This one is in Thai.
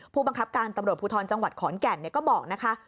ผู้บังคับการตำรวจภูทรจังหวัดขอนแก่นก็บอกนะคะ